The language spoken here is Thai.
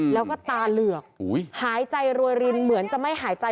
แล้วก็ตาเหลือกหายใจรวยรินเหมือนจะไม่หายใจ